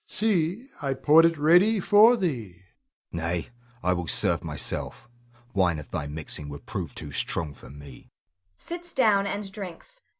See! I poured it ready for thee. Hugo. Nay; I will serve myself. Wine of thy mixing would prove too strong for me [_sits down and drinks.